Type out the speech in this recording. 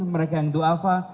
mereka yang do'afa